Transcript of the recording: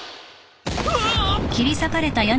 うわっ！